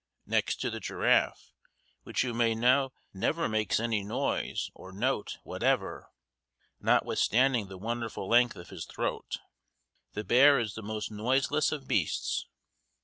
Next to the giraffe, which you may know never makes any noise or note whatever, notwithstanding the wonderful length of his throat, the bear is the most noiseless of beasts.